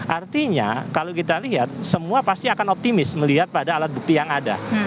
artinya kalau kita lihat semua pasti akan optimis melihat pada alat bukti yang ada